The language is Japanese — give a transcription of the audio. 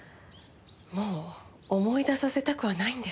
もう思い出させたくはないんです。